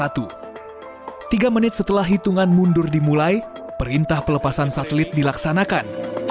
tiga menit setelah hitungan mundur dimulai perintah pelepasan satelit dilaksanakan